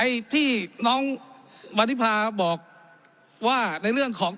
ไอ้ที่น้องมาธิพาบอกว่าในเรื่องของ